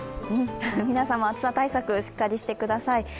皆さんも暑さ対策しっかりしてください。